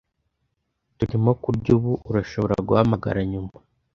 Turimo kurya ubu. Urashobora guhamagara nyuma?